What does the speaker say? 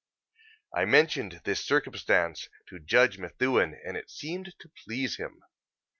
I mentioned this circumstance to Judge Methuen, and it seemed to please him.